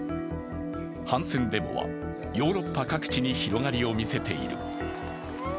反戦デモはヨーロッパ各地に広がりを見せている。